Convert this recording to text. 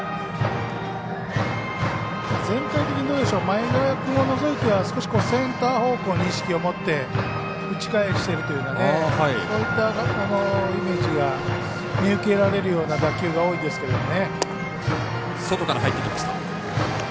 全体的に前川君を除いては少しセンター方向に意識を持って打ち返してるというかそういったイメージが見受けられるような打球が多いですけどもね。